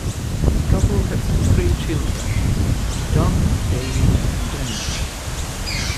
The couple have three children: John, David, and Jennifer.